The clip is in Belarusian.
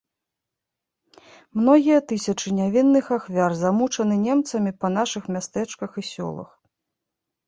Многія тысячы нявінных ахвяр замучаны немцамі па нашых мястэчках і сёлах.